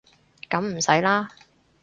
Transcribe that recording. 噉唔使啦